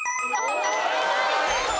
正解。